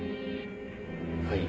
はい。